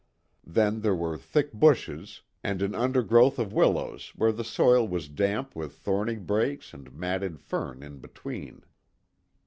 Then there were thick bushes, and an undergrowth of willows where the soil was damp with thorny brakes and matted fern in between.